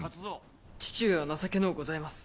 「父上は情けのうございます」